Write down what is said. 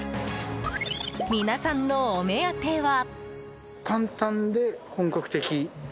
皆さんのお目当ては。